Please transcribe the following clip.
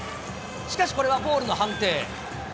しかし、これはボールの判定。